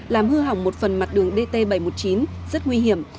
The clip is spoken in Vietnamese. làm hư hỏng một phần mặt đường dt bảy trăm một mươi chín rất nguy hiểm